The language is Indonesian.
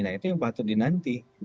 nah itu yang patut dinanti